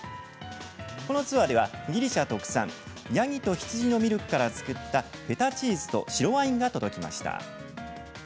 このツアーでは、ギリシャ特産ヤギと羊のミルクから作ったフェタチーズと白ワインが届きました。